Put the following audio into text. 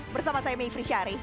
bersama saya mayfri syari